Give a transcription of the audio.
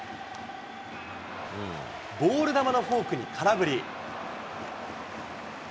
ボール球のフォークに空振り。